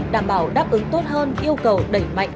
đảm bảo đáp ứng tốt hơn yêu cầu đẩy mạnh